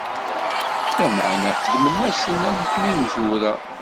Lameɛna xedmen-asen am imezwura.